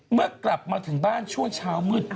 เมื่อกลับมาถึงบ้านช่วงเช้ามืด